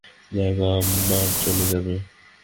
যাই হোক, আমার চলে যাবে।